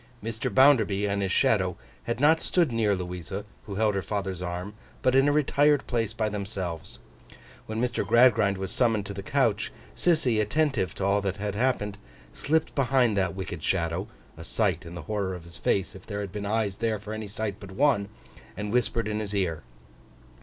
Mr. Bounderby and his shadow had not stood near Louisa, who held her father's arm, but in a retired place by themselves. When Mr. Gradgrind was summoned to the couch, Sissy, attentive to all that happened, slipped behind that wicked shadow—a sight in the horror of his face, if there had been eyes there for any sight but one—and whispered in his ear.